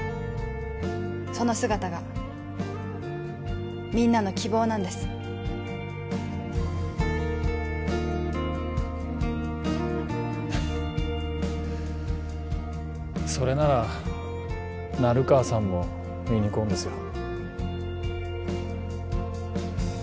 その姿がみんなの希望なんですそれなら成川さんもユニコーンですよ